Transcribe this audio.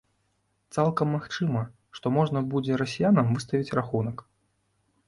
Цалкам магчыма, што можна будзе расіянам выставіць рахунак.